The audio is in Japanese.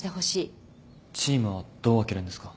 チームはどう分けるんですか？